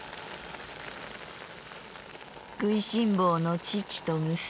食いしん坊の父と娘